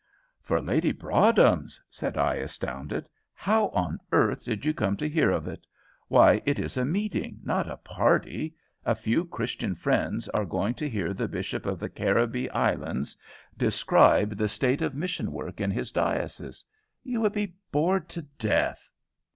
"For Lady Broadhem's!" said I, astounded. "How on earth did you come to hear of it? Why, it is a meeting, not a party. A few Christian friends are going to hear the Bishop of the Caribbee Islands describe the state of mission work in his diocese. You would be bored to death."